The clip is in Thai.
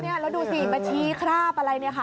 เนี่ยแล้วดูสิประชีคราบอะไรเนี่ยค่ะ